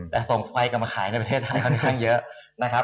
แต่ส่งไฟกลับมาขายในประเทศไทยค่อนข้างเยอะนะครับ